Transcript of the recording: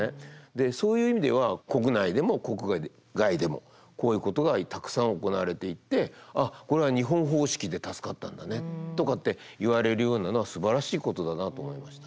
でそういう意味では国内でも国外でもこういうことがたくさん行われていってあっこれは日本方式で助かったんだねとかって言われるようなのはすばらしいことだなと思いました。